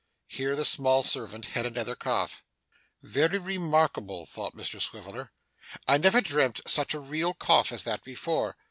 Here the small servant had another cough. 'Very remarkable!' thought Mr Swiveller. 'I never dreamt such a real cough as that before.